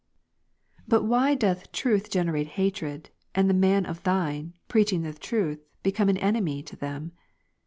^^• 34. But why doth " truth generate hatred %" and the man John 8, of Thine, preaching the truth, become an enemy to them